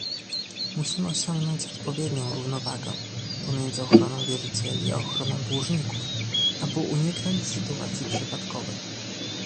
Musimy osiągnąć odpowiednią równowagę pomiędzy ochroną wierzycieli a ochroną dłużników, aby uniknąć sytuacji przypadkowych